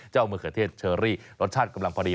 มะเขือเทศเชอรี่รสชาติกำลังพอดี